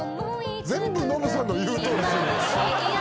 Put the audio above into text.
全部ノブさんの言うとおりですね。